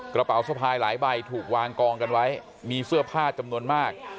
กระเป๋าสะพายหลายใบถูกวางกองกันไว้มีเสื้อผ้าจำนวนมาก